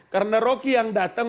karena rocky yang datang